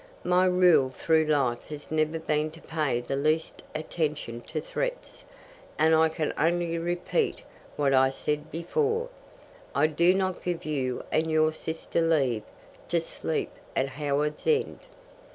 My rule through life has been never to pay the least attention to threats, and I can only repeat what I said before: I do not give you and your sister leave to sleep at Howards End."